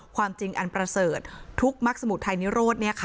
ความจริงอันประเสริฐทุกมักสมุทรไทยนิโรธ